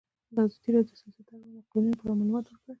ازادي راډیو د سیاست د اړونده قوانینو په اړه معلومات ورکړي.